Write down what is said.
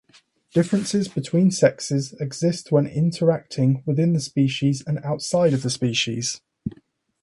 Differences between sexes exist when interacting within the species and outside of the species.